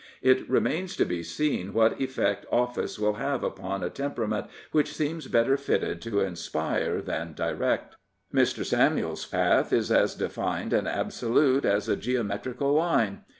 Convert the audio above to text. | It remains to be seen what effect office will have upon a temperament which seems better fitted to inspire than direct. Mr. Samuel's path is as defined and absolute as a geometrical line.